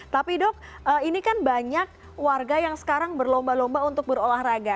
tapi dok ini kan banyak warga yang sekarang berlomba lomba untuk berolahraga